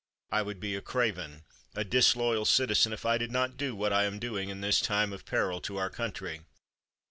I would be a craven, a disloyal citizen, if I did not do what I am doing in this time of peril to our country.